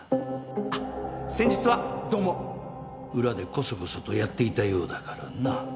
あっ先日はどうも裏でこそこそとやっていたようだからな。